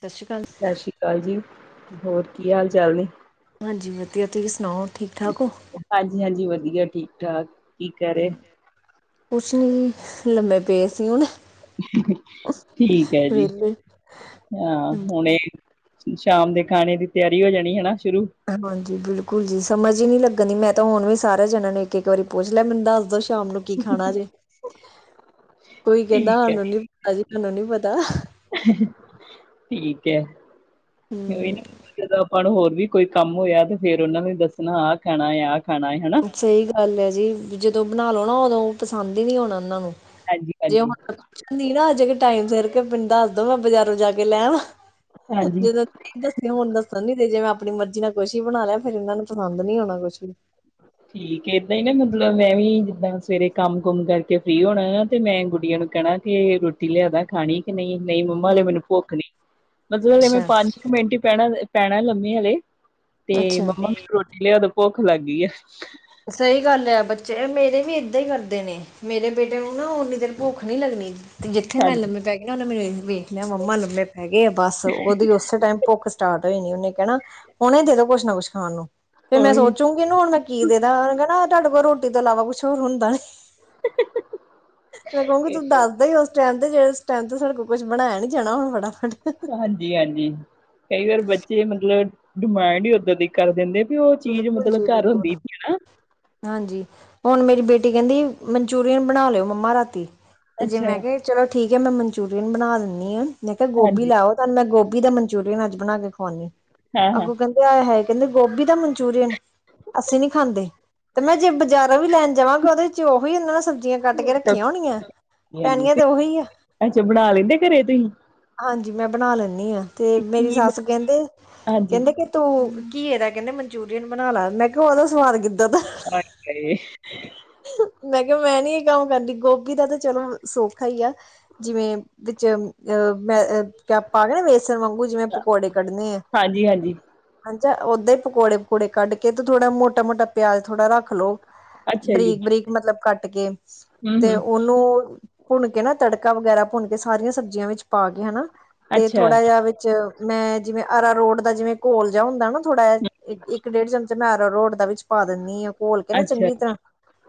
ਸਤਿ ਸ਼੍ਰੀ ਅਕਾਲ। ਸਤਿ ਸ੍ਰੀ ਅਕਾਲ ਜੀ ਹੋਰ ਕੀ ਹਾਲ ਚਾਲ ਨੇ ਹਾਂਜੀ ਵਧੀਆ ਤੁਸੀਂ ਸੁਣਾਓ ਠੀਕ ਠਾਕ ਹੋ ਹਾਂਜੀ- ਹਾਂਜੀ ਵਧੀਆ ਠੀਕ-ਠਾਕ ਕੀ ਕਰ ਰਹੇ? ਕੁਛ ਨੀ ਲੰਮੇ ਪਏ ਸੀ ਹੁਣ ਠੀਕ ਹੈ ਜੀ, ਵਿਹਲੇ। ਹਾਂ ਹੁਣੇ ਸ਼ਾਮ ਦੇ ਖਾਣੇ ਦੀ ਤਿਆਰੀ ਹੋ ਜਾਣੀ ਹੈਨਾ ਸ਼ੁਰੂ ਹਾਂਜੀ ਬਿਲਕੁਲ ਜੀ ਸਮਝ ਹੀ ਨੀ ਲੱਗਣ ਦੀ ਮੈਂ ਤਾਂ ਹੁਣ ਵੀ ਸਾਰਿਆ ਜਾਣਿਆ ਨੂੰ ਇੱਕ ਇੱਕ ਵਾਰੀ ਪੁੱਛ ਲੈ ਮੈਨੂੰ ਦੱਸ ਦੋ ਸ਼ਾਮ ਨੂੰ ਕੀ ਖਾਣਾ ਜੇ ਕੋਈ ਕਹਿੰਦਾ ਠੀਕ ਹੈ, ਸਾਨੂੰ ਨੀ ਪਤਾ ਜੀ ਸਾਨੂੰ ਨੀ ਪਤਾ [inaudible] ਠੀਕ ਹੈ ਕੋਹੀ ਹੂੰ ਨਾ ਪਰ ਹੋਰ ਵੀ ਕੋਈ ਕੰਮ ਹੋਇਆ ਤੇ ਫੇਰ ਉਹਨਾਂ ਨੂੰ ਦੱਸਣਾ ਆਹ ਖਾਣਾ ਹੈ ਆਹ ਖਾਣਾ ਹਨਾ। ਸਹੀ ਗੱਲ ਹੈ ਜੀ ਜਦੋਂ ਬਣਾ ਲੋ ਨਾ ਉਦੋਂ ਪਸੰਦ ਹੀ ਨੀ ਆਉਣਾ ਉਹਨਾਂ ਨੂੰ ਜੇ ਹਾਂਜੀ-ਹਾਂਜੀ, ਹੁਣ ਨਹੀਂ ਨਾ ਅਜੇ ਕੇ ਟਾਈਮ ਸਿਰ ਕੇ ਨੂੰ ਦੱਸ ਦੋ ਮੈਂ ਬਾਜ਼ਾਰੋਂ ਜਾ ਕੇ ਲੈ ਵਾਂ ਹਾਂਜੀ ਹਾਂਜੀ ਜਦੋਂ ਨਹੀਂ ਦੱਸਦੇ ਹੁਣ ਦੱਸਣ ਨੀ ਤੇ ਜੇ ਮੈਂ ਆਪਣੀ ਮਰਜ਼ੀ ਨਾਲ ਕੁਛ ਹੀ ਬਣਾ ਲਿਆ ਫਿਰ ਇਹਨਾਂ ਨੂੰ ਪਸੰਦ ਨੀ ਹੋਣਾ ਕੁਛ ਵੀ ਠੀਕ ਏਦਾਂ ਹੀ ਨਾ ਮਤਲਬ ਮੈਂ ਵੀ ਜਿੱਦਾਂ ਸਵੇਰੇ ਕੰਮ ਕੁਮ ਕਰਕੇ ਫ੍ਰਰੀ ਹੋਣਾ ਆ ਤੇ ਮੈਂ ਗੁੜੀਆਂ ਨੂੰ ਕਹਿਣਾ। ਤੇ ਰੋਟੀ ਲਿਆਦਾ ਖਾਣੀ ਕਿ ਨਹੀਂ- ਨਹੀਂ ਮੰਮਾ ਹ ਲੇ ਹਮ ਮੈਨੂੰ ਭੁੱਖ ਨਹੀਂ ਮਤਲਬ ਮੈਂ ਅੱਛਾ ਪੰਜ ਕੁ ਮਿੰਟ ਪੈਣਾ -ਪੈਣਾ ਲੰਮੇ ਹਲੇ ਤੇ ਅੱਛਾ ਮੰਮਾ ਮੈਨੂੰ ਰੋਟੀ ਲਿਆਦੋਂ ਭੁੱਖ ਲੱਗ ਗਈ ਆ। ਸਹੀ ਗੱਲ ਹੈ ਬੱਚੇ ਮੇਰੇ ਵੀ ਏਦਾਂ ਹੀ ਕਰਦੇ ਨੇ। ਮੇਰੇ ਬੇਟੇ ਨੂੰ ਨਾ ਓਨੀ ਦੇਰ ਭੁੱਖ ਨਹੀਂ ਲੱਗਣੀ। ਜਿਥੇ ਮੈਂ ਹਾਂਜੀ ਲੰਮੇ ਪੈ ਗਈ ਆਂ ਉਹਨਾਂ ਮੇਰੇ ਵੇਖ ਲਿਆ ਮੰਮਾ ਲੰਮੇ ਹੈਗੇ ਆ ਬੱਸ ਉਹਦੀ ਉਸੇ ਟਾਈਮ ਭੁੱਖ ਸਟਾਰਟ ਹੋਈ ਨੀ ਉਹਨੇ ਕਹਿਣਾ ਹੁਨੇ ਦੇ ਦੋ ਕੁਛ ਨਾ ਕੁਛ ਖਾਣ ਨੂੰ ਫਿਰ ਮੈਂ ਉਹੀ ਸੋਚੂੰਗੀ ਇਹਨੂੰ ਹੁਣ ਮੈਂ ਕੀ ਦੇ ਦ ਤੁਹਾਡੇ ਕੋਲ ਰੋਟੀ ਤੋਂ ਇਲਾਵਾ ਕੁਛ ਹੋਰ ਹੁੰਦਾ ਨਹੀਂ। ਮੈਂ ਕਹੂੰਗੀ ਤੂੰ ਦੱਸਦਾ ਹੀ ਉਸ ਸਟਰੈਂਥ [unintelligible] ਜਿਹੜੇ ਸਾਡੇ ਕੋਲ ਕੁਛ ਬਣਾਇਆ ਨੀ ਜਾਣਾ ਹੁਣ ਫਟਾ ਫਟ ਹਾਂਜੀ- ਹਾਂਜੀ ਕਈ ਵਾਰ ਬੱਚੇ ਮਤਲਬ ਡਿਮਾਂਡ ਹੀ ਓਦਾਂ ਦੀ ਕਰ ਦਿੰਦੇ ਵੀ ਉਹ ਚੀਜ਼ ਬਿਲਕੁਲ ਮਤਲਬ ਜੀ ਘਰ ਹੁੰਦੀ ਬਿਲਕੁਲ ਨੀ ਨਾ ਹਾਂਜੀ ਹੁਣ ਮੇਰੀ ਬੇਟੀ ਕਹਿੰਦੀ ਮਨਚੂਰੀਅਨ ਬਣਾ ਲਿਓ ਮੰਮਾ ਰਾਤੀ ਤੇ ਜੇ ਅੱਛਾ ਮੈਂ ਕਿਹਾ ਚਲੋ ਠੀਕ ਹੈ ਮੈਂ ਮਨਚੂਰੀਅਨ ਬਣਾ ਦਿੰਦੀ ਹਾਂ ਮੈਂ ਕਿਹਾ ਗੋਭੀ ਹਾਂਜੀ ਲੈ ਆਓ ਮੈਂ ਗੋਭੀ ਦਾ ਮਨਚੂਰੀਅਨ ਅੱਜ ਬਣਾ ਕੇ ਖਵਾਣੀ ਹਾਂ ਹਾਂ ਅੱਗੋਂ ਕਹਿੰਦੇ ਆ ਹੈ ਕਹਿੰਦੇ ਗੋਭੀ ਦਾ ਮਨਚੂਰੀਅਨ ਅਸੀਂ ਨੀ ਖਾਂਦੇ ਤੇ ਮੈਂ ਜੇ ਬਾਜ਼ਾਰਾਂ ਵੀ ਲੈਣ ਜਾਵਾਂਗੇ ਉਹਦੇ ਚ ਉਹੀ ਆਦਾ ਨਾ ਸਬਜ਼ ਜ਼ੀਆਂ ਕੱਟ ਕੇ ਉਹੀ ਸਭ ਰੱਖੀਆਂ ਹੋਣੀਆਂ ਪੈਣੀਆਂ ਤੇ ਉਹੀ ਆ ਅੱਛਾ ਬਣਾ ਲੈਂਦੇ ਘਰੇ ਤੁਸੀਂ ਹਾਂਜੀ ਮੈਂ ਬਣਾ ਲੈਂਦੀ ਹਾਂ ਤੇ ਮੇਰੀ ਕੀ ਸੱਸ ਮਤਲਬ ਕਹਿੰਦੇ ਹਾਂਜੀ ਕਹਿੰਦੇ ਕਿ ਤੂੰ ਘੀਏ ਦਾ ਕਹਿੰਦੇ ਮਨਚੂਰੀਅਨ ਬਣਾ ਲਾ ਮੈਂ ਕਿਹਾ ਉਹਦਾ ਸਵਾਦ ਕਿੱਦਾਂ ਦਾ ਹਾਏ ਮੈਂ ਕਿਹਾ ਮੈਂ ਨੀ ਇਹ ਕੰਮ ਕਰਦੀ ਗੋਭੀ ਦਾ ਤਾਂ ਚਲੋ ਸੌਖਾ ਹੀ ਆ ਜਿਵੇਂ ਚ ਅਹ ਮੈਂ ਕ ਪਾ ਕੇ ਨਾ ਬੇਸਣ ਵਾਂਗੂ ਜਿਵੇਂ ਪਕੌੜੇ ਕੱਢਣੇ ਆ ਹਾਂਜੀ ਹਾਂਜੀ ਹਾਂਜੀ ਓਦਾਂ ਹੀ ਪਕੌੜੇ ਪਕੌੜੇ ਕੱਢ ਕੇ ਤੇ ਥੋੜਾ ਮੋਟਾ ਮੋਟਾ ਪਿਆਜ ਥੋੜਾ ਰੱਖ ਲੋਓ ਅੱਛਾ ਜੀ ਬਰੀਕ ਬਰੀਕ ਮਤਲਬ ਕੱਟ ਕੇ ਹੂੰ ਤੇ ਹੂੰ ਉਹਨੂੰ ਭੁੰਨ ਕੇ ਨਾ ਤੜਕਾ ਵਗੈਰਾ ਭੁੰਨ ਕੇ ਸਾਰੀਆਂ ਸਬਜ਼ੀਆਂ ਵਿੱਚ ਪਾ ਕੇ ਹਨਾ ਤੇ ਅੱਛਾ ਥੋੜਾ ਜਿਹਾ ਵਿੱਚ ਮੈਂ ਜਿਵੇਂ ਅਰਾਰੋਡ ਦਾ ਜਿਵੇਂ ਘੋਲ ਜਿਹਾ ਹੁੰਦਾ ਨਾ ਥੋੜਾ ਜਿਹਾ ਇੱਕ ਇੱਕ ਡੇਢ ਚਮਚਾ ਮੈਂ ਅਰਾਰੋਟ ਦਾ ਵਿੱਚ ਪਾ ਦਿੰਦੀ ਹਾਂ ਘੋਲ ਕੇ ਨਾ ਅੱਛਾ ਚੰਗੀ ਤਰ੍ਹਾਂ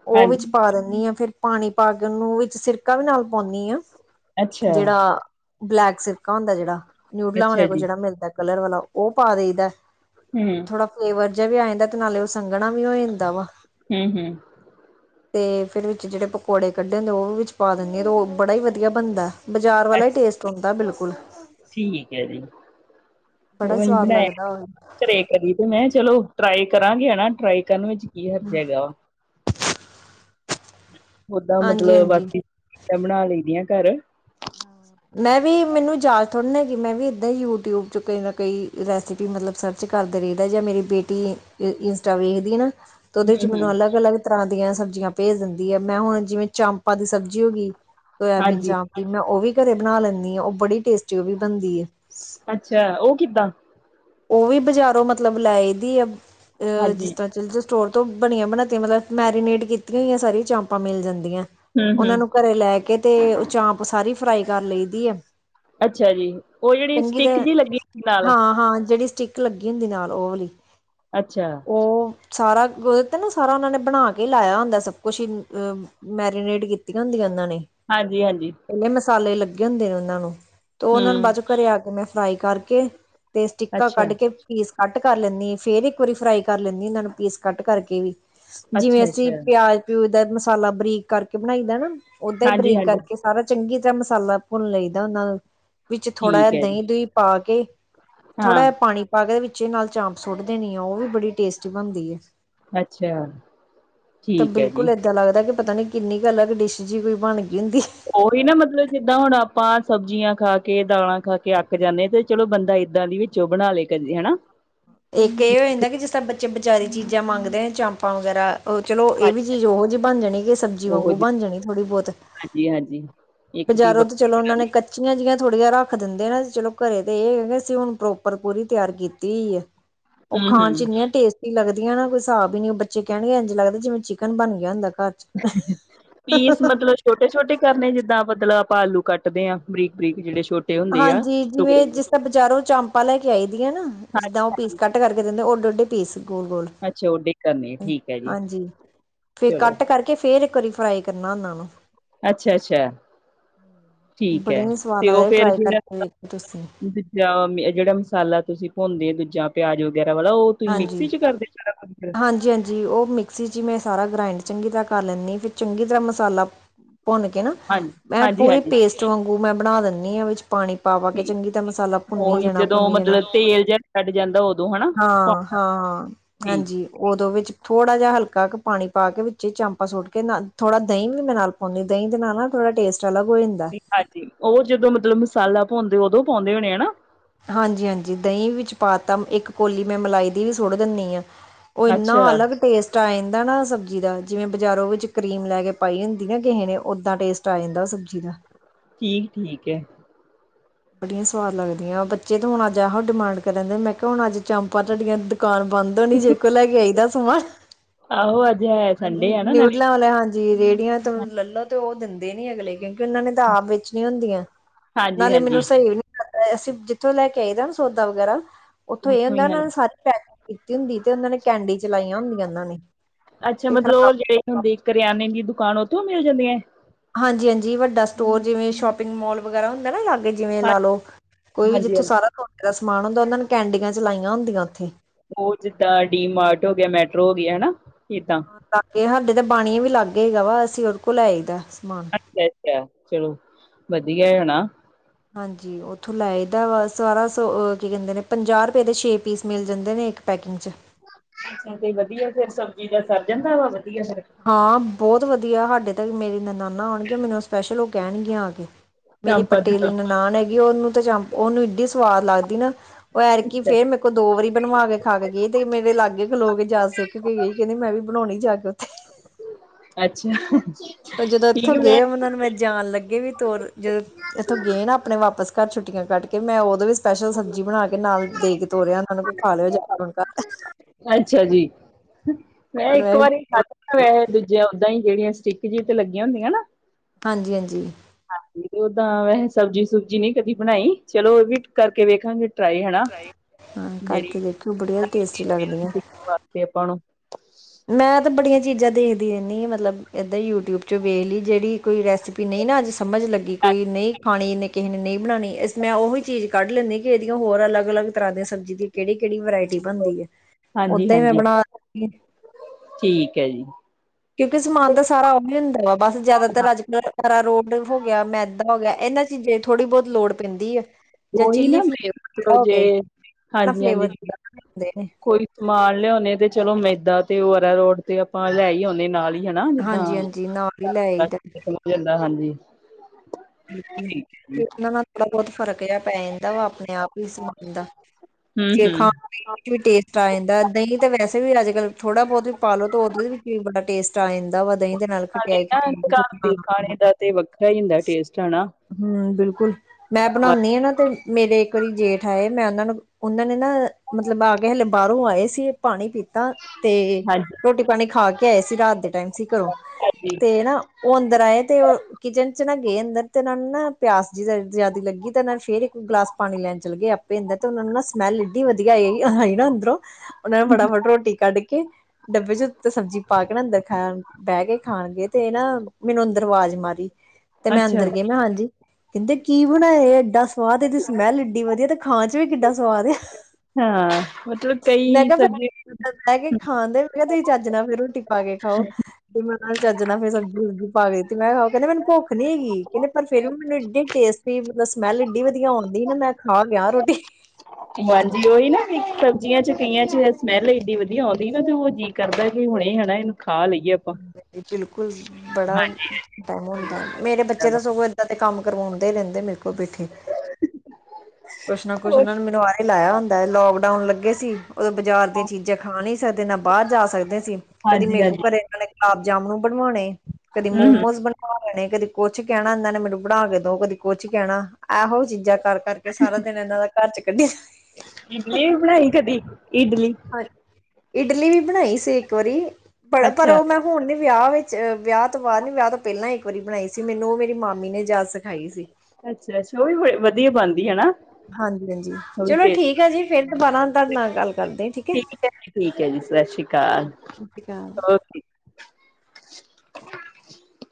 ਉਹ ਹਾਂਜੀ ਵਿੱਚ ਪਾ ਦਿੰਦੀ ਹਾਂ ਫੇਿਰ ਪਾਣੀ ਪਾ ਕੇ ਓਨੂੰ ਵਿੱਚ ਸਿਰਕਾ ਵੀ ਨਾਲ ਪਾਉਂਦੀ ਹਾਂ ਅੱਛਾ ਜਿਹੜਾ ਬਲੈਕ ਸਿਰਕਾ ਹੁੰਦਾ ਜਿਹੜਾ ਨਿਊਡਲਾਂ ਅੱਛਾ ਵਾਲਿਆਂ ਕੋਲ ਜੀ ਜਿਹੜਾ ਮਿਲਦਾ ਕਲਰ ਵਾਲਾ ਉਹ ਪਾ ਦੇਈਦਾ ਹੰਮ ਥੋੜਾ ਫਲੇਵਰ ਜਿਹਾ ਵੀ ਆ ਜਾਂਦਾ ਤੇ ਨਾਲੇ ਉਹ ਸੰਘਣਾ ਵੀ ਹੋ ਜਾਂਦਾ ਵਾ ਹੰਮ ਹੰਮ ਤੇ ਫੇਰ ਵਿੱਚ ਜਿਹੜੇ ਪਕੌੜੇ ਕੱਢੇ ਹੁੰਦੇ ਉਹ ਵੀ ਵਿੱਚ ਪਾ ਦਿੰਦੀ ਹਾਂ ਰੋ ਬੜਾ ਹੀ ਵਧੀਆ ਬਣਦਾ ਬਜ਼ਾਰ ਵਾਲਾ ਹੀ ਅੱਛਾ ਟੇਸਟ ਆਉਂਦਾ ਬਿਲਕੁਲ ਠੀਕ ਹੈ ਜੀ ਬੜਾ ਉਹ ਹੀ ਸਵਾਦ ਬਣਾਇਆ ਲੱਗਦਾ ਉਹ ਤੇ ਕਰੀ ਮੈਂ ਚਲੋ ਟਰਾਈ ਕਰਾਂਗੇ ਹਨਾ ਟਰਾਈ ਕਰਨ ਵਿੱਚ ਕੀ ਹਰਜ ਹੈਗਾ ਵਾ ਓਦਾਂ ਹਾਂਜੀ ਮਤਲਬ ਹਾਂਜੀ ਬਾਕੀ ਚੀਜ਼ਾਂ ਬਣਾ ਲਈ ਦੀਆਂ ਘਰ ਹੋਰ ਮੈਂ ਵੀ ਮੈਨੂੰ ਯਾਚ ਥੋੜ੍ਹੀ ਨਾ ਹੈਗੀ, ਮੈਂ ਵੀ ਏਦਾਂ ਈ ਯੂ ਟਿਊਬ ਚ ਕੋਈ ਨਾ ਕੋਈ ਰੈਸਪੀ ਮਤਲਬ ਸਰਚ ਕਰਦੇ ਰਈਦਾ ਜਾਂ ਮੇਰੀ ਬੇਟੀ ਇੰਸਟਾ ਵੇਖਦੀ ਨਾ। ਓਹਦੇ ਵਿੱਚ ਹੂੰ ਮੈਨੂੰ ਹੂੰ ਅਲੱਗ-ਅਲੱਗ ਤਰ੍ਹਾਂ ਦੀਆਂ ਸਬਜ਼ੀਆਂ ਭੇਜ ਦਿੰਦੀ ਐ, ਮੈਂ ਹੁਣ ਜਿਵੇਂ ਚਾਂਪਾ ਦੀ ਸਬਜ਼ੀ ਹੋਗੀ। ਸੋਇਆਬੀਨ ਹਾਂਜੀ ਚਾਪ‌ ਦੀ ਮੈਂ ਓ ਵੀ ਘਰੇ ਬਨਾ ਲੈਂਦੀ ਆ, ਓ ਬੜੀ ਟੇਸਟੀ ਓ ਵੀ ਬਨਦੀ ਆ। ਅੱਛਾ, ਓ ਕਿੱਦਾਂ? ਓ ਵੀ ਬਜ਼ਾਰੋਂ ਮਤਲਬ ਲੈ ਆਈ ਦੀ ਆ, ਜਿਸ ਹਾਂਜੀ ਤਰ੍ਹਾਂ ਚਲਜੋ। ਸਟੋਰ ਤੋਂ ਬਨੀਆਂ-ਬਨਾਤੀਆਂ ਮਤਲਬ ਮੈਰੀਨੇਟ ਕੀਤੀਆਂ ਹੋਈਆਂ, ਸਾਰੀਆਂ ਚਾਪਾਂ ਮਿਲ ਜਾਂਦੀਆਂ। ਹੂੰ ਓਹਨਾਂ ਹੂੰ ਨੂੰ ਘਰੇ ਲੈ ਕੇ ਤੇ ਓ ਚਾਂਪ ਸਾਰੀ ਫਰਾਈ ਕਰ ਲਈ ਦੀ ਐ। ਅੱਛਾ ਜੀ, ਓ ਜੇੜੀ ਸਟਿੱਕ ਜੀ ਲੱਗੀ ਹੁੰਦੀ ਨਾਲ। ਜੇੜੀ ਸਟਿੱਕ ਲੱਗੀ ਹੁੰਦੀ ਨਾਲ ਓ ਵਾਲੀ। ਅੱਛਾ। ਓ ਸਾਰਾ ਓਹਦੇ ਤੇ ਨਾ ਸਾਰਾ ਓਹਨਾਂ ਨੇ ਬਨਾ ਕੇ ਲਾਇਆ ਹੁੰਦੈ, ਸਭ ਕੁਛ ਈ ਮੈਰੀਨੇਟ ਕੀਤੀਆਂ ਹੁੰਦੀਐ, ਓਨਾਂ ਨੇ। ਹਾਂਜੀ-ਹਾਂਜੀ। ਪੈਲੇ ਮਸਾਲੇ ਲੱਗੇ ਹੁੰਦੇ ਨੇ ਓਨਾਂ ਨੂੰ ਤੇ ਓਹਨਾਂ ਨੂੰ ਬਾ ਹੂੰ ਚੋਂ ਘਰੇ ਆ ਕੇ ਮੈਂ ਫਰਾਈ ਕਰਕੇ ਸਟਿੱਕਾਂ ਅੱਛਾ ਕੱਢ ਕੇ ਪੀਸ ਕੱਟ ਕਰ ਲੈਂਨੀ ਆ, ਫੇਰ ਇੱਕ ਵਾਰੀ ਫਰਾਈ ਕਰ ਲੈਂਨੀ, ਏਨਾਂ ਨੂੰ ਪੀਸ ਕੱਟ ਕਰਕੇ ਵੀ ਜਿਵੇਂ ਅੱਛਾ ਅਸੀਂ ਅੱਛਾ ਪਿਆਜ-ਪਿਊਜ ਦਾ ਮਸਾਲਾ ਬਰੀਕ ਕਰਕੇ ਬਨਾਈ ਦਾ ਨਾ, ਓਦਾ ਹਾਂਜੀ ਬਰੀਕ ਹਾਂਜੀ ਕਰਕੇ ਸਾਰਾ ਚੰਗੀ ਤਰ੍ਹਾਂ ਮਸਾਲਾ ਭੁੰਨ ਲਈਦਾ ਓਹਨਾਂ ਦਾ, ਵਿੱਚ ਥੋੜ੍ਹਾ ਠੀਕ ਜਿਹਾ ਹੈ ਜੀ ਦਈ-ਦੁਈ ਪਾ ਕੇ ਥੋੜ੍ਹਾ ਹਾਂ ਜਾ ਪਾਨੀ ਪਾ ਕੇ, ਵਿੱਚੇ ਨਾਲ ਚਾਂਪ ਸੁੱਟ ਦੇਣੀ ਆ, ਓ ਵੀ ਬੜੀ ਟੇਸਟੀ ਬਨਦੀ ਐ। ਅੱਛਾ ਤੇ ਠੀਕ ਹੈ ਜੀ ਬਿਲਕੁਲ ਏਦਾਂ ਲੱਗਦਾ ਕੇ, ਪਤਾ ਨੀ ਕਿੰਨੀ ਕੁ ਅਲੱਗ ਡਿਸ਼ ਜੀ ਕੋਈ ਬਨਗੀ ਹੁੰਦੀ ਐ। ਓ ਹੀ ਨਾ ਮਤਲਬ ਜਿੱਦਾਂ ਹੁਣ ਆਪਾਂ, ਸਬਜ਼ੀਆਂ ਖਾ ਕੇ ਦਾਲਾਂ ਖਾ ਕੇ ਅੱਕ ਜਾਂਦੇ ਆ ਤੇ ਚਲੋ ਬੰਦਾ ਏਦਾਂ ਦੀ ਵੀ ਚੋ ਬਨਾ ਲੇ, ਕਦੀ ਹਨਾ। ਇੱਕ ਏ ਹਾਂਜੀ, ਹੋ ਜਾਂਦਾ ਕੇ, ਜਿਸ ਤਰ੍ਹਾਂ ਬੱਚੇ ਬੇਚਾਰੇ ਚੀਜ਼ਾਂ ਮੰਗਦੇ ਨੇ, ਚਾਂਪਾਂ ਵਗੈਰਾ ਓ ਚਲੋ, ਏ ਵੀ ਚੀਜ਼ ਓਹੋ ਜੀ ਬਨ ਜਾਣੀ ਕੇ ਸਬਜ਼ੀ ਵਾਂਗੂ ਬਨ ਜਾਣੀ, ਥੋੜੀ ਬੋਤ। ਹਾਂਜੀ-ਹਾਂਜੀ। ਬਾਜ਼ਾਰੋਂ ਤੋਂ ਚਲੋ, ਓਹਨਾਂ ਨੇ ਕੱਚੀਆਂ ਜੀਆਂ ਥੋੜੀ ਰੱਖ ਦਿੰਦੇ ਨਾ ਚਲੋ, ਘਰੇ ਤੇ ਏ ਐ ਵੀ ਅਸੀ ਹੁਣ ਪ੍ਰੋਪਰ ਪੂਰੀ ਤਿਆਰ ਕੀਤੀ ਹੋਈ ਆ। ਓ ਹੂੰ ਖਾਣ ਚ ਹੂੰ ਏਨੀਆਂ ਟੇਸਟੀ ਲੱਗਦੀਆਂ ਨਾ ਕੋਈ ਸਾਬ ਈ ਨੀ, ਬੱਚੇ ਕੈਨਗੇ ਇੰਝ ਲੱਗਦਾ, ਜਿਵੇਂ ਚਿਕਨ ਬਣ ਗਿਆ ਹੁੰਦੈ ਘਰ। ਚ ਪੀਸ ਮਤਲਬ ਛੋਟੇ-ਛੋਟੇ ਕਰਨੇ, ਜਿੱਦਾਂ ਮਤਲਬ ਆਪਾਂ ਆਲੂ ਕੱਟਦੇ ਆ, ਬਰੀਕ-ਬਰੀਕ ਜੇੜੇ ਛੋ ਹਾਂਜੀ, ਜਿਵੇਂ ਜਿਸ ਤ ਬਜ਼ਾਰੋਂ ਚਾਂਪਾਂ ਲੈ ਕੇ ਆਈ ਦੀਆਂ ਨਾ, ਹਾਂਜੀ ਜਿੱਦਾਂ ਓ ਪੀਸ ਹਾਂਜੀ ਕੱਟ ਕਰਕੇ ਦਿੰਦੇ, ਓਡੇ-ਓਡੇ ਪੀਸ ਗੋਲ-ਗੋਲ ਅੱਛਾ ਓਡੇ ਕਰਨੇ ਠੀਕ ਹੈ ਜੀ ਹਾਂਜੀ, ਫੇਰ ਚਲੋ ਕੱਟ ਕਰਕੇ ਕੇ ਫੇਰ, ਇੱਕ ਵਾਰੀ ਫਰਾਈ ਕਰਨਾ, ਓਹਨਾ ਨੂੰ। ਅੱਛਾ ਅੱਛਾ ਠੀਕ ਹੈ ਬੜੀਓ ਸਵਾਦ ਤੇ ਉਹ ਲੱਗਦੀ, ਫੇਰ ਟਰਾਈ ਜਿਹੜਾ ਕਰਕੇ ਵੇਖੋ ਤੁਸੀਂ। ਦੂਜਾ, ਜੇੜਾ ਮਸਾਲਾ ਤੁਸੀਂ ਭੁਨਦੇ ਆ, ਦੂਜਾ ਪਿਆਜ ਵਗੈਰਾ ਵਾਲਾ ਓ। ਤੁਸੀਂ ਮਿਕਸੀ ਚ ਕਰਦੇ ਆ, ਸਾਰਾ ਕੁਝ ਫੇਰ ਜੀ ਓ ਮਿਕਸੀ ਚ ਮੈਂ ਸਾਰਾ ਗ੍ਰਾਇੰਡ ਚੰਗੀ ਤਰਾ ਕਰ ਲੈਂਣੀ ਆ, ਫੇਰ ਚੰਗੀ ਤਰਾ ਮਸਾਲਾ ਭੁੰਨ ਕੇ ਨਾ। ਹਾਂਜੀ, ਮੈਂ ਹਾਂਜੀ, ਪੂਰੀ ਹਾਂਜੀ ਪੇਸਟ ਵਾਂਗੂ ਮੈਂ ਬਣਾ ਦਿੰਨੀ ਆ, ਵਿੱਚ ਪਾਣੀ ਪਾ-ਪਾ ਕੇ ਠੀਕ ਚੰਗੀ ਤਰਾ ਮਸਾਲਾ ਭੁੰਨੀ ਉਹੀ ਜਦੋਂ ਜਾਣਾ-ਭੁੰਨੀ ਜਾਣਾ। ਮਤਲਬ ਤੇਲ ਜਿਹਾ ਛੱਡ ਜਾਂਦਾ ਓ। ਹਾਂ ਹਾਂ, ਹਾਂਜੀ। ਉਦੋਂ ਵਿੱਚ, ਥੋੜ੍ਹਾ ਜਿਹਾ ਹਲਕਾ ਪਾਣੀ ਪਾ ਕੇ ਵਿੱਚ ਚਾਮਪਾ ਸੁੱਟ ਕੇ ਨਾ ਥੋੜਾ ਦਹੀਂ ਵੀ ਨਾਲ ਹਨੀ ਦਹੀਂ ਦੇ ਨਾਲ ਥੋੜਾ ਟੇਸਟ ਅਲਗ ਹੋ ਜਾਂਦਾ। ਠੀਕ, ਹਾਂਜੀ ਉਹ ਜਦੋਂ ਮਤਲਬ ਮਸਾਲਾ ਭੁੰਨਦੇ ਉਦੋਂ ਪਾਉਂਦੇ ਹੋਣੇ ਹਨਾ। ਹਾਂਜੀ-ਹਾਂਜੀ ਦਹੀਂ ਵਿੱਚ ਪਾ ਤਾ ਇੱਕ ਕੋਲੀ ਮੈਂ ਮਲਾਈ ਦੀ ਵੀ ਸੁੱਟ ਦਿੰਨੀ ਆ। ਉਹ ਇੰਨਾ ਅੱਛਾ, ਅਲਗ ਟੇਸਟ ਆ ਜਾਂਦਾ ਨਾ ਸਬਜ਼ੀ ਦਾ, ਜਿਵੇਂ ਬਾਜ਼ਾਰੋਂ ਵਿੱਚ ਕਰੀਮ ਲੈ ਕੇ ਪਾਈ ਹੁੰਦੀ ਨਾ ਕਿਸੇ ਨੇ ਓਦਾਂ ਟੇਸਟ ਟ ਆ ਜਾਂਦਾ ਸਬਜ਼ੀ ਦਾ। ਠੀਕ ਠੀਕ ਐ। ਬੜੀਆਂ ਸਵਾਦ ਲੱਗਦੀਆਂ ਬੱਚੇ ਤੇ ਹੁਣ ਅੱਜ ਆਹ ਡਿਮਾਂਡ ਕਰਨ ਦਏ ਮੈਂ ਕਿਹਾ ਹੁਣ ਅੱਜ ਚੰਪਾ ਤੁਡੀਆਂ ਦੁਕਾਨ ਬੰਦ ਹੋਣੀ ਜੇ ਕੋ ਲੈ ਕੇ ਆਈਦਾ ਸਮਾਨ। ਆਹੋ ਅੱਜ ਹੈ ਹਾਂਜੀ ਸੰਡੇ ਹੈ ਨਾ ਨਾਲੇ ਨਿਊੜਲਾ ਵਾਲਾ ਹਾਂਜੀ ਜੀ ਰੇਹੜੀਆਂ ਤੋ ਲੈਲੋ ਤੇ ਉਹ ਦਿੰਦੇ ਨੀ ਅਗਲੇ ਕਿਉਂਕਿ ਉਹਨਾਂ ਨੇ ਤਾਂ ਆਪ ਵੇਚਨੀਆ ਹੁੰਦੀਆਂ। ਹਾਂਜੀ, ਨਾਲੇ ਮੈਨੂੰ ਹਾਂਜੀ। ਸਹੀ ਨੀ ਅਸੀਂ ਜਿੱਥੋਂ ਲੈ ਕੇ ਆਈਦਾ ਨਾ ਸੌਦਾ ਵਗੈਰਾ ਉੱਥੋਂ ਇਹ ਹੁੰਦਾ ਹੀ ਉਹਨਾਂ ਹਨ ਨੇ ਸਾਤ ਪੈਕ ਕੀਤੀ ਹੁੰਦੀ ਤੇ ਉਹਨਾਂ ਨੇ ਕੈਂਡੀ ਚਲਾਈਆਂ ਹੁੰਦੀਆਂ ਉਹਨਾਂ ਨੇ। ਅੱਛਾ ਤੇ ਮਤਲਬ ਉਹ ਖਰਾਬ ਜਿਹੜੀ ਹੁੰਦੀ ਕਰਿਆਨੇ ਦੀ ਦੁਕਾਨ ਉੱਥੋਂ ਮਿਲ ਜਾਂਦੀਆਂ? ਹਾਂਜੀ-ਹਾਂਜੀ ਵੱਡਾ ਸਟੋਰ ਜਿਵੇਂ ਸ਼ੋਪਿੰਗ ਮੋਲ ਵਗੈਰਾ ਹੁੰਦਾ ਨਾ ਲਾਗੇ ਜਿਵੇਂ ਹਾਂ ਲਾ ਲੋ, ਕੋਈ ਵੀ ਹਾਂਜੀ, ਜਿੱਥੋਂ ਹਾਂਜੀ ਸਾਰਾ ਤੋਡੇ ਦਾ ਸਮਾਨ ਹੁੰਦਾ ਉਹਨਾਂ ਨੇ ਕੈਂਡੀਆਂ ਚਲਾਈਆਂ ਹੁੰਦੀਆਂ ਉੱਥੇ। ਹੋ ਜਿੱਦਾਂ ਡੀ ਮਾਰਟ ਹੋ ਗਿਆ, ਮੈਟਰੋ ਹੋ ਗਿਆ ਹਨਾ, ਏਦਾਂ। ਲਾਗੇ ਸਾਡੇ ਤਾਂ ਬਾਣੀਆਂ ਵੀ ਲਾਗੇ ਹੈਗਾ ਵਾ ਅਸੀਂ ਉਹਦੇ ਕੋਲ ਲੈ ਆਈ ਦਾ ਸਮਾਨ। ਅੱਛਾ-ਅੱਛਾ ਚਲੋ, ਵਧੀਆ ਹੈ ਨਾ। ਹਾਂਜੀ ਉੱਥੋਂ ਲੈ ਆਈ ਦਾ ਵਾ ਸਾਰਾ ਕੀ ਕਹਿੰਦੇ ਨੇ ਪੰਜਾਹ ਰੁਪਏ ਦੇ ਛੇ ਪੀਸ ਮਿਲ ਜਾਂਦੇ ਨੇ ਇੱਕ ਪੈਕਿੰਗ ਚ। ਅੱਛਾ ਤੇ ਵਧੀਆ ਫੇਰ ਸਬਜ਼ੀ ਦਾ ਸਰ ਜਾਂਦਾ ਵਾ ਵਧੀਆ ਫਿਰ? ਹਾਂ ਬਹੁਤ ਵਧੀਆ ਸਾਡੇ ਤੱਕ ਮੇਰੀ ਨਨਾ ਆਣਗੀਆਂ ਮੈਨੂੰ ਸਪੈਸ਼ਲ ਉਹ ਕਹਿਣਗੀਆਂ ਆ ਕੇ, ਮੇਰੀ ਚਾਂਪਾਂ ਦੀ ਪਟੇਲ ਸਬਜ਼ੀ ਨਨਾਣ ਹੈਗੀ ਉਹਨੂੰ ਤਾਂ ਚ ਉਹਨੂੰ ਇਡੀ ਸਵਾਦ ਲੱਗਦੀ ਨਾ, ਉਹ ਐਰਕੀ ਫੇਰ ਮੇਰੇ ਅੱਛਾ ਕੋਲ ਦੋ ਵਾਰੀ ਬਣਵਾ ਕੇ ਖਾ ਕੇ ਗਈ ਤੇ ਮੇਰੇ ਲਾਗੇ ਖਲੋ ਕੇ ਜਾਚ ਸਿੱਖ ਕੇ ਗਈ ਕਹਿੰਦੀ ਮੈਂ ਵੀ ਬਣਾਉਣੀ ਜਾ ਕੇ। ਉੱਥੇ ਅੱਛਾ। ਪਰ ਜਦੋਂ ਠੀਕ ਇੱਥੋਂ ਹੈ। ਮੈਂ ਗਏ ਉਹਨਾਂ ਨੂੰ ਮੈਂ ਜਾਣ ਲੱਗੇ ਵੀ ਤੁਰ ਜਦੋਂ ਇੱਥੋਂ ਗਏ ਨਾ ਆਪਣੇ ਵਾਪਸ ਘਰ ਛੁੱਟੀਆਂ ਕੱਢ ਕੇ ਮੈਂ ਉਦੋਂ ਵੀ ਸਪੈਸ਼ਲ ਸਬਜ਼ੀ ਬਣਾ ਕੇ ਨਾਲ ਦੇ ਕੇ ਤੋਰਿਆ ਉਹਨਾਂ ਨੂੰ ਖਾ ਲਿਓ ਜਾ ਕੇ ਹੁਣ ਘਰ। ਅੱਛਾ ਜੀ, ਮੈਂ ਉਹਨਾਂ ਇੱਕ ਨੂੰ ਵਾਰੀ ਖਾਧੀ ਆ ਵੈਸੇ ਵੀ ਜੇ ਓਦਾਂ ਹੀ ਜਿਹੜੀਆਂ ਸਟਿੱਕ ਜੀ ਤੇ ਲੱਗੀਆਂ ਹੁੰਦੀਆਂ ਨਾ ਹਾਂਜੀ-ਹਾਂਜੀ। ਹਾਂਜੀ ਓਦਾਂ ਵੈਸੇ ਸਬਜ਼ੀ-ਸੁਬਜੀ ਨੀ ਕਦੀ ਬਣਾਈ ਚਲੋ ਇਹ ਵੀ ਕਰਕੇ ਵੇਖਾਂਗੇ ਟਰਾਈ ਹਨਾ, ਹਾਂ ਜਿਹੜੀ, ਕਰਕੇ ਦੇਖਿਓ ਬੜੀਆਂ ਨਵੀਂ ਟੇਸਟੀ ਚੀਜ਼ ਲੱਗਦੀਆਂ ਕੁਕਿੰਗ ਵਾਸਤੇ ਆਪਾਂ ਨੂੰ। ਮੈਂ ਤਾਂ ਬੜੀਆਂ ਚੀਜ਼ਾਂ ਦੇਖਦੀ ਰਹਿੰਨੀ ਆ ਮਤਲਬ ਇਦਾਂ ਹੀ ਯੂਟਿਊਬ ਚੋਂ ਵੇਖ ਲਈ ਜਿਹੜੀ ਕੋਈ ਰੈਸਪੀ ਨਹੀਂ ਨਾ ਅੱਜ ਸਮਝ ਲੱਗੀ ਕੋਈ ਨਹੀਂ ਖਾਣੀ ਇਹਨੇ ਕਿਸੇ ਨੇ ਨਹੀਂ ਬਣਾਣੀ ਇਸ ਮੈਂ ਉਹੀ ਚੀਜ਼ ਕੱਢ ਲੈਨੀ ਕਿ ਇਹਦੀਆਂ ਹੋਰ ਅਲੱਗ-ਅਲੱਗ ਤਰ੍ਹਾਂ ਦੀ ਸਬਜ਼ੀ ਦੀ ਕਿਹੜੀ-ਕਿਹੜੀ ਵਰਾਇਟੀ ਸਬਜੀ ਬਣਦੀ ਏ। ਹਾਂਜੀ ਓਦਾਂ ਹੀ ਮੈਂ ਹਾਂਜੀ ਬਣਾ ਠੀਕ ਐ ਜੀ। ਕਿਉਂਕਿ ਸਮਾਨ ਤਾਂ ਸਾਰਾ ਉਹੀ ਹੁੰਦਾ ਵਾ ਬਸ ਜਿਆਦਾਤਰ ਅੱਜਕੱਲ ਅਰਾਰੋਡ ਹੋ ਗਿਆ ਮੈਦਾ ਹੋ ਗਿਆ ਇਹਨਾਂ ਚੀਜੇ ਥੋੜ੍ਹੀ ਬਹੁਤ ਲੋੜ ਪੈਂਦੀ ਆ। ਜਾਂ ਉਹੀ ਚਿੱਲੀ ਨਾ ਫਲੇਕ ਮਤਲ ਹੋ ਜੇ, ਗਏ ਨਾ ਫਲੇਵਰ ਹਾਂਜੀ-ਹਾਂਜੀ ਜੇ ਹੁੰਦੇ ਨੇ ਕੋਈ ਸਮਾਨ ਲਿਆਉਦੇ ਤੇ ਚਲੋ ਮੈਦਾ ਤੇ ਹੋਰ ਆਰਾਰੋਡ ਤੇ ਆਪਾਂ ਲੈ ਹੀ ਆਉਦੇ ਨਾਲ ਹੀ। ਹਨਾ। ਜਿੱਦਾਂ, ਹਾਂਜੀ ਹਾਂਜੀ ਨਾਲ ਹੀ ਲੈ ਆਈਦਾ ਸਮਝ ਜਾਂਦਾ ਹਾਂਜੀ। ਉਹਨਾਂ ਨਾਲ ਥੋੜਾ ਬਹੁਤ ਫਰਕ ਜਿਹਾ ਪੈ ਜਾਂਦਾ ਵਾ ਆਪਣੇ ਆਪ। ਕੋ ਸਮਾਨ ਦਾ। ਜ ਹੂੰ-ਹੂੰ। ਖਾ ਵੀ ਟੇਸਟ ਆ ਜਾਂਦਾ ਦਹੀਂ ਤੇ ਵੈਸੇ ਵੀ ਅੱਜ ਕੱਲ੍ਹ ਥੋੜਾ- ਬਹੁਤ ਵੀ ਪਾਲੋ ਉਹਦੇ ਚੋਂ ਵੀ। ਬੜਾ ਟੇਸਟ ਆ ਜਾਂਦਾ ਵ ਦਹੀ ਦੇ ਨਾਲ ਨਾਲੇ ਖਟਿਆਈ- ਨਾ ਖਟਿਆਈ ਘਰ ਦੇ ਖਾਣੇ ਦਾ ਤੇ ਵੱਖਰਾ ਹੀ ਹੁੰਦਾ ਟੇਸਟ ਹੈਨਾ। ਹੂ, ਬਿਲਕੁਲ ਮੈਂ ਬਣਾਉਦੀ ਹਾਂ ਨਾ ਤੇ ਮੇਰੇ ਇੱਕ ਵਾਰੀ ਜੇਠ ਆਏ ਮੈਂ ਉਹਨਾਂ ਨੂੰ ਉਹਨਾਂ ਨੇ ਨਾ ਮਤਲਬ ਆ ਕੇ ਹਲੇ ਬਾਹਰੋਂ ਆਏ ਸੀ ਪਾਣੀ ਪੀਤਾ। ਤੇ ਰੋਟੀ- ਪਾਣੀ ਖਾ ਕੇ ਆਏ ਸੀ ਰਾਤ ਦੇ ਟਾਈਮ ਸੀ। ਘਰੋਂ ਹਾਂਜੀ-ਹਾਂਜੀ, ਤੇ ਨਾ ਉਹ ਅੰਦਰ ਆਏ ਤੇ ਕਿਚਨ ਚ' ਨਾ ਗਏ ਅੰਦਰ ਤੇ ਇਹਨਾਂ ਨੂੰ ਨਾ ਪਿਆਸ ਜਿ ਜ਼ਿਆਦਾ ਲੱਗੀ ਤੇ ਇਹਨਾਂ ਫੇਰ ਇੱਕ ਗਲਾਸ ਪਾਣੀ ਲੈਣ ਚਲੇ ਗਏ ਆਪਾਂ। ਭਿੰਦਰ ਤਾਂ ਉਹਨਾਂ ਨੂੰ ਨਾ ਸਮੈਲ ਇਡੀ ਵਧੀਆ ਆਏ ਨਾ ਅੰਦਰੋਂ। ਉਹਨਾਂ ਨੇ ਫਟਾਫਟ ਰੋਟੀ ਕੱਢ ਕੇ ਡੱਬੇ ਚ' ਉੱਤੇ ਸਬਜ਼ੀ ਪਾ ਕੇ ਅੰਦਾ ਖਾਣ ਬਹਿ ਕੇ ਖਾਣਗੇ ਤੇ ਨਾ ਮੈਨੂੰ ਅੰਦਰ ਆਵਾਜ਼ ਮਾਰੀ। ਤੇ ਮੈਂ ਅੱਛਾ ਅੰਦਰ ਗਈ ਮੈ ਹਾਂਜੀ, ਕਹਿੰਦੇ ਕੀ ਬਣਾਏ ਐਏਡਾ ਸਵਾਦ, ਇਹਦੀ ਸਮੈਲ ਇਏਡੀ ਵਧੀਆ। ਖਾਣ ਚ' ਵੀ ਕਿੱਡਾ ਸਵਾਦ ਆ। ਹਾਂ ਮਤਲਬ ਕਈ ਸਬਜ਼ੀ ਰਹਿ ਕੇ ਖਾਣ ਦੇ ਮੈਂ ਕਿਹਾ ਤੁਸੀਂ ਚੱਜ ਨਾ ਫਿਰ ਰੋਟੀ ਪਾ ਕੇ ਖਾਓ। ਤੇ ਮੈਂ ਨਾਲ ਚੱਜ ਨਾਲ ਫਿਰ ਸਬਜ਼ੀ- ਸੂਬਜੀ ਪਾ ਕੇ ਦਿੱਤੀ ਮੈਂ ਕਹਿੰਦੇ ਮੈਨੂੰ ਭੁੱਖ ਨਹੀਂ ਕਹਿੰਦੇ ਪਰ ਫੇਰ ਵੀ ਮੈਨੂੰ ਟੇਸਟੀ ਮਤਲਬ ਸਮੈਲ ਐਡੀ ਵਧੀਆ ਆਉਂਦੀ ਨਾ ਮੈਂ ਖਾ ਗਿਆ ਰੋਟੀ। [inaudible] ਹਾਂਜੀ। ਉਹੀ ਨਾ ਸਬਜ਼ੀਆਂ ਚ' ਕਈਆਂ ਚ' ਸਮੈਲ ਏਡੀ ਵਧੀਆ ਆਉਂਦੀ ਨਾ ਤੇ ਉਹ ਜੀ। ਕਰਦਾ ਕਿ ਹੁਣੇ ਹੈਨਾ ਇਹਨੂੰ ਖਾ ਲਈ। ਬਿਲਕੁਲ ਬੜਾ ਹਾਂਜੀ-ਹਾਂਜੀ, ਟਾਈਮ ਹੁੰਦਾ। ਮੇਰੇ ਬੱਚੇ ਤਾਂ ਸਗੋਂ ਇੱਦਾਂ ਦੇ ਕੰਮ ਕਰਵਾਉਂਦੇ ਹੀ ਰਹਿੰਦੇ ਮੇਰੇ ਕੋਲ ਬੈਠੇ। ਕੁਛ ਨਾ ਕੁਛ ਉਹਨਾ ਨੇ ਮੈਨੂੰ ਆਰੇ ਲਾਇਆ ਹੁੰਦਾ। ਲੋਕਡਾਊਨ ਲੱਗੇ ਸੀ ਓਦੋਂ ਬਾਜ਼ਾਰ ਦੀਆਂ ਚੀਜ਼ਾਂ ਖਾਣ ਨਹੀ ਸੀ ਸਕਦੇ ਨਾ ਬਾਹਰ ਜਾ ਸਕਦੇ ਕਦੀ ਮੇਕੂ ਘਰੇ ਇਹਨਾਂ ਨੇ ਗੁਲਾਬ ਜਾਮਨੂ ਬਣਵਾਣੇ, ਕਦੀ ਹੂੰ-ਹੂੰ। ਮੋਮੋਸ ਬ ਲਣੇ ਕਦੇ ਕੁਛ ਕਹਿਣਾ ਇਹਨਾਂ ਨੇ ਮੈਨੂੰ ਬਣਾ ਕੇ ਦੋ, ਕਦੇ ਕੁਛ ਕਹਿਣਾ ਇਹੋ ਚੀਜ਼ਾਂ ਕਰ ਕਰਕੇ ਸਾਰਾ ਦਿਨ ਇਹਨਾਂ ਦਾ ਘਰ ਚ' ਕੱਢਿਆ ਇਡਲੀ ਵੀ ਬਣਾਈ ਕਦੀ ਇਡਲੀ ਹਾਂਜੀ। ਇਡਲੀ ਵੀ ਬਣਾਈ ਸੀ ਇੱਕ ਵਾਰੀ। ਬੜ ਪਰ ਅੱਛਾ। ਉਹ ਮੈਂ ਹੁਣ ਨੀ ਵਿਆਹ ਵਿੱਚ, ਵਿਆਹ ਤੋਂ ਬਾਅਦ ਨੀ ਵਿਆਹ ਤੋਂ ਪਹਿਲਾਂ ਇੱਕ ਵਾਰੀ ਬਣਾਈ ਸੀ ਮੈਨੂੰ ਉਹ ਮੇਰੀ ਮਾਮੀ ਨੇ ਜਾਚ ਸਿਖਾਈ ਸੀ। ਅੱਛਾ- ਅੱਛਾ, ਉਹ ਵੀ ਵਧੀਆ ਬਣਦੀ ਹੈ ਹੈਨਾ। ਹਾਂਜੀ- ਹਾਂਜੀ। ਚਲੋ ਠੀਕ ਹੈ ਜੀ ਫੇਰ ਦੁਬਾਰਾ ਤੁਹਾਡੇ ਨਾਲ ਗੱਲ ਕਰਦੇ ਠੀਕ ਹੈ। ਠੀਕ ਐ ਜੀ ਸਤਿ ਸ਼੍ਰੀ ਅਕਾਲ। ਸਤਿ ਸ਼੍ਰੀ ਅਕਾਲ ਓਕੇ।